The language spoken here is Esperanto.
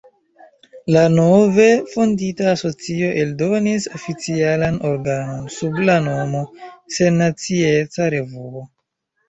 La nove fondita asocio eldonis oficialan organon, sub la nomo "Sennacieca Revuo".